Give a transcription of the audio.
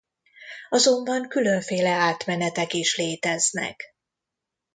Azonban különféle átmenetek is léteznek.